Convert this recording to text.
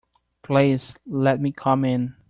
Please let me come in.